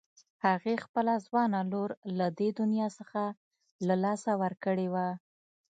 هغې خپله ځوانه لور له دې دنيا څخه له لاسه ورکړې وه.